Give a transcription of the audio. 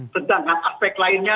sedangkan aspek lainnya